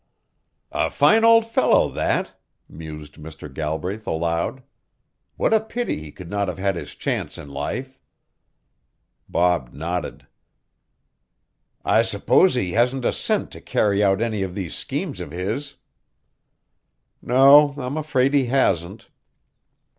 "A fine old fellow that!" mused Mr. Galbraith aloud. "What a pity he could not have had his chance in life." Bob nodded. "I suppose he hasn't a cent to carry out any of these schemes of his." "No, I am afraid he hasn't."